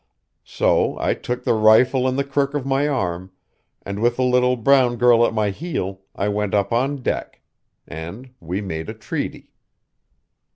So I took the rifle in the crook of my arm, and with the little brown girl at my heel, I went up on deck. And we made a treaty."